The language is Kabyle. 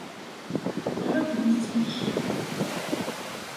Ɣeṛ adlis-ik!